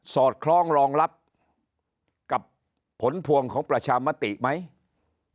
อดคล้องรองรับกับผลพวงของประชามติไหม